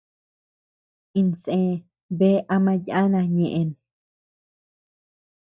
Insë bea ama yana ñeʼen.